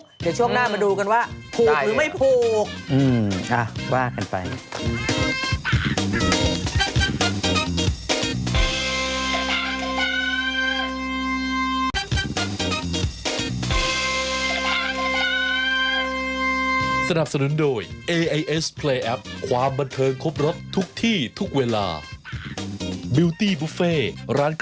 เดี๋ยวช่วงหน้ามาดูกันว่าผูกหรือไม่ผูก